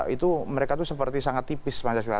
itu mereka itu seperti sangat tipis pancasila